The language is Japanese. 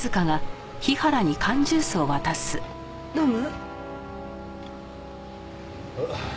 飲む？